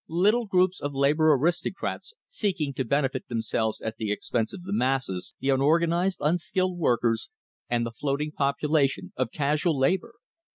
Little groups of labor aristocrats, seking to benefit themselves at the expense of the masses, the unorganized, unskilled workers and the floating population of casual labor!